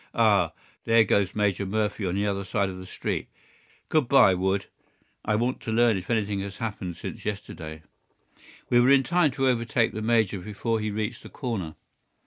Ah, there goes Major Murphy on the other side of the street. Good by, Wood. I want to learn if anything has happened since yesterday." We were in time to overtake the major before he reached the corner.